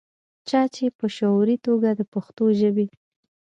چا چې پۀ شعوري توګه دَپښتو ژبې